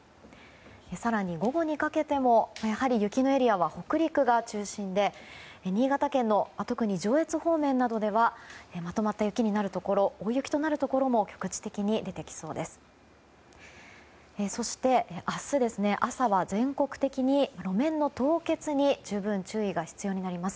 更に、午後にかけてもやはり雪のエリアは北陸が中心で新潟県の特に上越方面などではまとまった雪になるところ大雪となるところも局地的に出てきそうです。